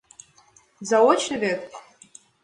Заочно вет...